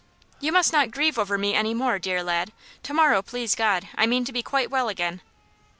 "You must not grieve over me any more, dear lad; to morrow, please God! I mean to be quite well again."